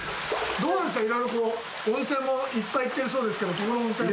どうですか、いろいろ温泉もいっぱい行ってるそうですけどここの温泉は。